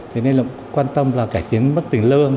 thế nên là quan tâm là cải tiến mất tình lương